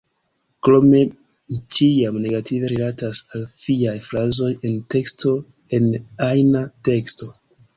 Krome, mi ĉiam negative rilatas al fiaj frazoj en teksto, en ajna teksto.